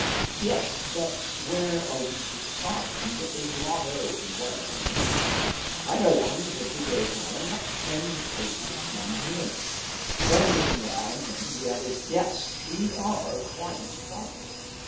"Yes, but where are we to find a grotto?" inquired Aramis. "I know one," said Fouquet, smiling, "not ten paces from here." Then looking round him, he added: "Yes, we are quite right."